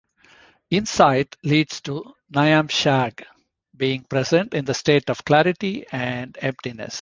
Insight leads to "nyamshag", "being present in the state of clarity and emptiness".